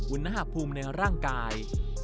อุณหภูมิในร่างกาย